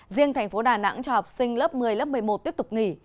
riêng thành phố đà nẵng cho học sinh lớp một mươi lớp một mươi một tiếp tục nghỉ